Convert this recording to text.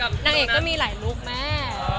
เฮ้ยนางเอกก็มีหลายลุกแม่อ๋อ